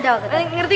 biar tempatnya rame